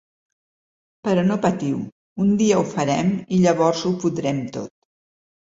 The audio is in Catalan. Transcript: Però no patiu, un dia ho farem i llavors ho podrem tot.